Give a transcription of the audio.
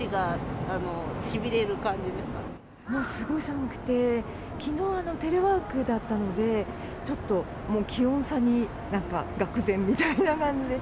すごい寒くて、きのうテレワークだったので、ちょっともう、気温差になんかがく然みたいな感じです。